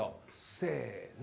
せの！